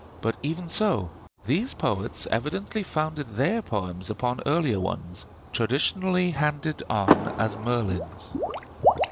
But even so, these poets evidently founded their poems upon earlier ones, traditionally handed on as Merlin's.